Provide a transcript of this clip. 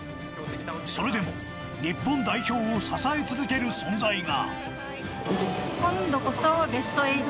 それでも日本代表を支え続ける存在が。